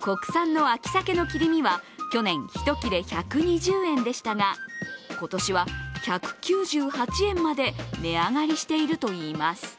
国産の秋鮭の切り身は去年、１切れ１２０円でしたが今年は１９８円まで値上がりしているといいます。